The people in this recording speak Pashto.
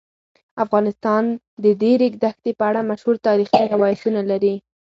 افغانستان د د ریګ دښتې په اړه مشهور تاریخی روایتونه لري.